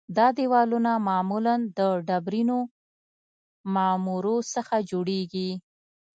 دا دیوالونه معمولاً د ډبرینو معمورو څخه جوړیږي